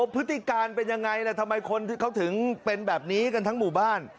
พฤติการเป็นยังไงล่ะทำไมคนที่เขาถึงเป็นแบบนี้กันทั้งหมู่บ้าน